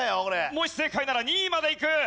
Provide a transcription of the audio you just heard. もし正解なら２位までいく。